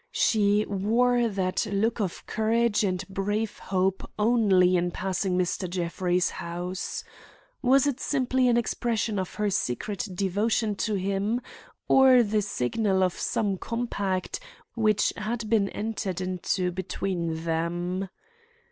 She wore that look of courage and brave hope only in passing Mr. Jeffrey's house. Was it simply an expression of her secret devotion to him or the signal of some compact which had been entered into between them?